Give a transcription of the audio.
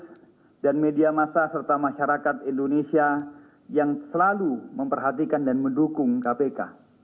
pemirsa media massa serta masyarakat indonesia yang selalu memperhatikan dan mendukung kpk